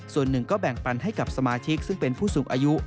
ส่วนหนึ่งก็แบ่งปันให้กับสมาชิกซึ่งเป็นผู้สูงอายุ